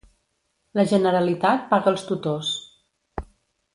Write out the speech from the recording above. La Generalitat paga els tutors